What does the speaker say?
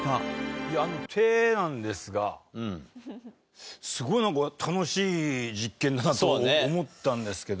手なんですがすごいなんか楽しい実験だなと思ったんですけど。